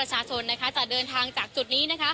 จะเดินทางจากจุดนี้